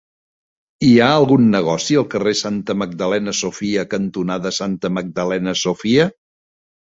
Hi ha algun negoci al carrer Santa Magdalena Sofia cantonada Santa Magdalena Sofia?